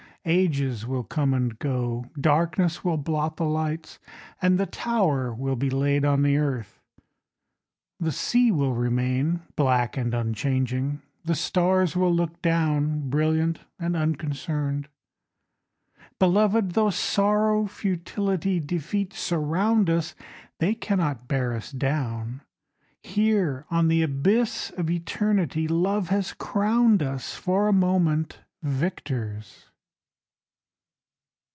Ages will come and go, Darkness will blot the lights And the tower will be laid on the earth. The sea will remain Black and unchanging, The stars will look down Brilliant and unconcerned. Beloved, Tho' sorrow, futility, defeat Surround us, They cannot bear us down. Here on the abyss of eternity Love has crowned us For a moment Victors.